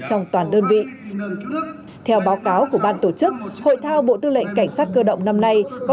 trong toàn đơn vị theo báo cáo của ban tổ chức hội thao bộ tư lệnh cảnh sát cơ động năm nay có